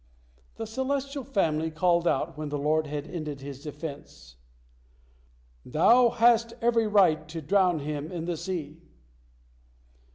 The Celestial family called out when the Lord had ended His defense, "Thou hast every right to drown him in the sea!"